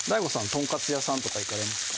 とんかつ屋さんとか行かれますか？